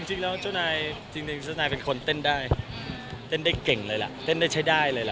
จริงแล้วเจ้านายจริงเจ้านายเป็นคนเต้นได้เต้นได้เก่งเลยล่ะเต้นได้ใช้ได้เลยล่ะ